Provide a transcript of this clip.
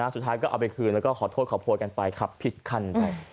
สุดท้ายก็เอาไปคืนแล้วก็ขอโทษขอโพยกันไปขับผิดคันไป